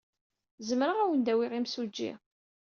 Zemreɣ ad awen-d-awiɣ imsujji.